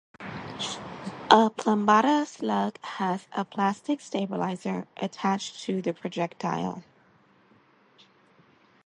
A plumbata slug has a plastic stabilizer attached to the projectile.